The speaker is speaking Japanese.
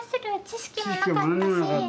知識も何にもなかったし。